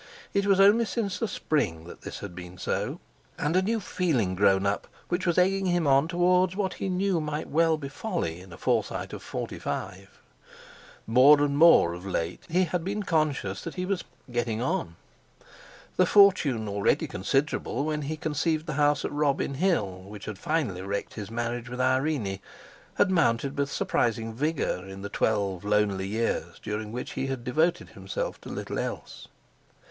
It was only since the Spring that this had been so and a new feeling grown up which was egging him on towards what he knew might well be folly in a Forsyte of forty five. More and more of late he had been conscious that he was "getting on." The fortune already considerable when he conceived the house at Robin Hill which had finally wrecked his marriage with Irene, had mounted with surprising vigour in the twelve lonely years during which he had devoted himself to little else.